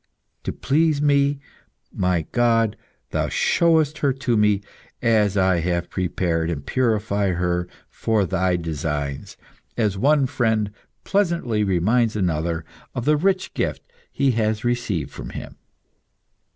To please me, my God, thou showest her to me as I have prepared and purified her for Thy designs, as one friend pleasantly reminds another of the rich gift he has received from him.